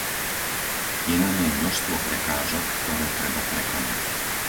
Je na nej množstvo prekážok, ktoré treba prekonať.